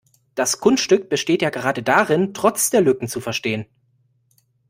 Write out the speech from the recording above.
Das Kunststück besteht ja gerade darin, trotz der Lücken zu verstehen.